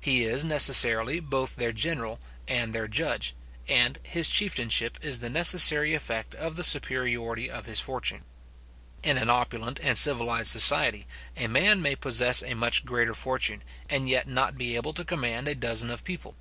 He is necessarily both their general and their judge, and his chieftainship is the necessary effect of the superiority of his fortune. In an opulent and civilized society, a man may possess a much greater fortune, and yet not be able to command a dozen of people.